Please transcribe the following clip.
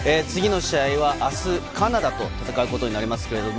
次の試合は明日、カナダと戦うことになります。